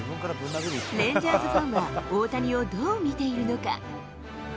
レンジャーズファンは大谷をどう見ているのか。